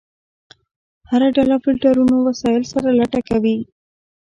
هر ډله فلټرونو وسایلو سره لټه کوي.